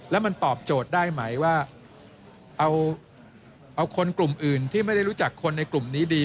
แล้วมันตอบโจทย์ได้ไหมว่าเอาคนกลุ่มอื่นที่ไม่ได้รู้จักคนในกลุ่มนี้ดี